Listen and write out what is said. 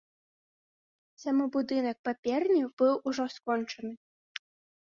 Самы будынак паперні быў ужо скончаны.